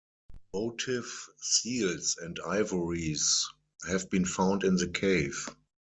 Votive seals and ivories have been found in the cave.